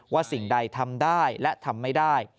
สิ่งใดทำได้และทำไม่ได้